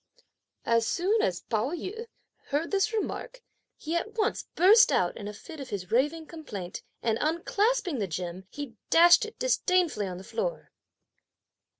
As soon as Pao yü heard this remark, he at once burst out in a fit of his raving complaint, and unclasping the gem, he dashed it disdainfully on the floor.